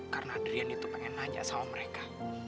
karena adrian itu pengen nanya sama mereka